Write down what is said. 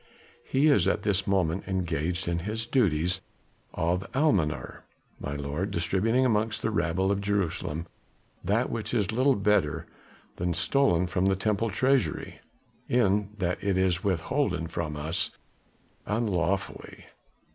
"He is at this moment engaged in his duties of almoner, my lord, distributing amongst the rabble of Jerusalem that which is little better than stolen from the Temple treasury, in that it is withholden from us unlawfully.